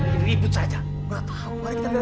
tidak ada yang bisa di depan kita harus mencari